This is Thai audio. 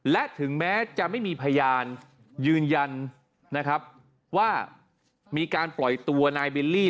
และถึงแม้จะไม่มีพยานยืนยันนะครับว่ามีการปล่อยตัวนายบิลลี่